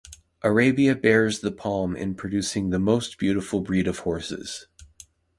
Arabia bears the palm in producing the most beautiful breed of horses.